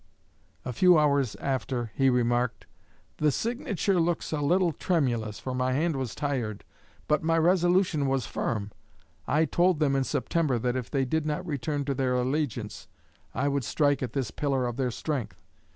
A few hours after, he remarked: "The signature looks a little tremulous, for my hand was tired; but my resolution was firm. I told them in September that if they did not return to their allegiance I would strike at this pillar of their strength.